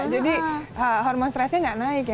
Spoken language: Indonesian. jadi hormon stressnya gak naik ya